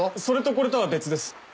それとこれとは別です。